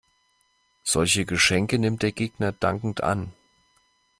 Solche Geschenke nimmt der Gegner dankend an.